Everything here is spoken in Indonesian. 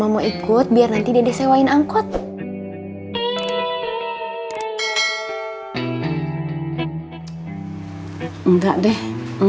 jangan beneran gininormal bisa jalan naturontum